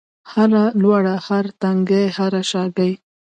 هره لوړه، هر تنګی هره شاګۍ